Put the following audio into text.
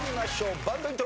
バンドイントロ。